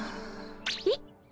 えっ。